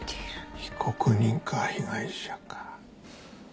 被告人か被害者か。